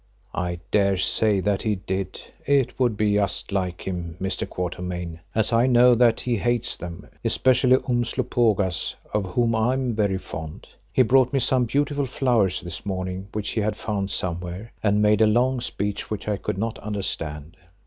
"I daresay that he did; it would be just like him, Mr. Quatermain, as I know that he hates them, especially Umslopogaas, of whom I am very fond. He brought me some beautiful flowers this morning which he had found somewhere, and made a long speech which I could not understand."